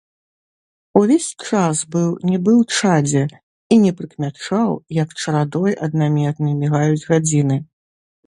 Увесь час быў нібы ў чадзе і не прыкмячаў, як чарадой аднамернай мігаюць гадзіны.